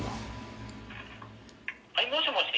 「はいもしもし？」